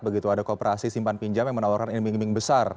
begitu ada kooperasi simpan pinjam yang menawarkan iming iming besar